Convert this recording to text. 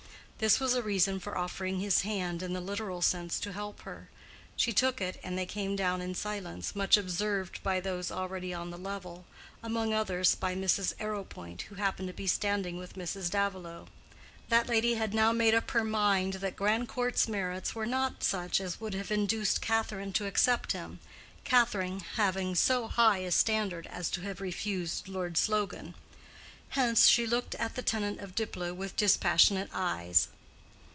This was a reason for offering his hand in the literal sense to help her; she took it, and they came down in silence, much observed by those already on the level—among others by Mrs. Arrowpoint, who happened to be standing with Mrs. Davilow. That lady had now made up her mind that Grandcourt's merits were not such as would have induced Catherine to accept him, Catherine having so high a standard as to have refused Lord Slogan. Hence she looked at the tenant of Diplow with dispassionate eyes.